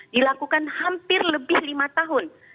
dilakukan hampir lebih lima tahun